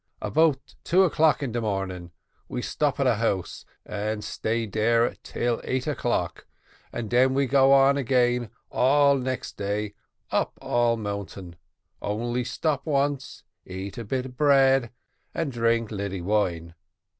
About two o'clock in de morning, we stop at a house and stay dere till eight o'clock, and den we go on again all next day, up all mountain, only stop once, eat a bit bread and drink lilly wine.